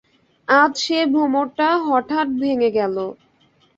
আজ সে ভ্রমটা হঠাৎ ভেঙে গেল।